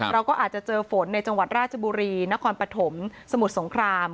เราก็อาจจะเจอฝนในจังหวัดราชบุรีนครปฐมสมุทรสงคราม